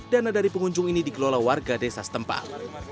dana dari pengunjung ini dikelola warga desa setempat